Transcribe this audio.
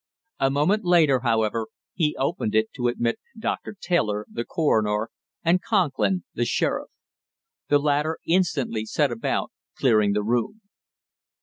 A moment later, however, he opened it to admit Doctor Taylor, the coroner, and Conklin, the sheriff. The latter instantly set about clearing the room.